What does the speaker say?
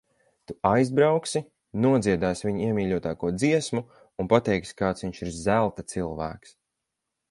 Tu aizbrauksi, nodziedāsi viņa iemīļotāko dziesmu un pateiksi, kāds viņš ir zelta cilvēks.